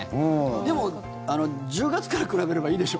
でも、１０月から比べればいいでしょ？